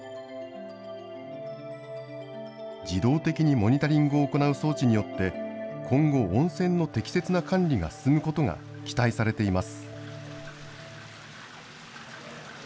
自動的にモニタリングを行う装置によって、今後、温泉の適切な管理が進むことが期待されています。